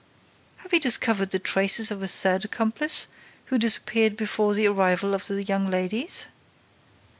"Have you discovered the traces of a third accomplice who disappeared before the arrival of the young ladies?"